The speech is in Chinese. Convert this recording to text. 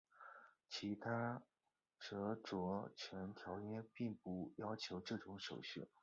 其他着作权条约并不要求这种手续。